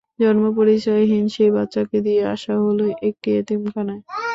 জন্ম-পরিচয়হীন সেই বাচ্চাকে দিয়ে আসা হল একটি এতিম খানায়।